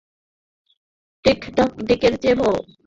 Tape ডেকের চেয়ে বড়।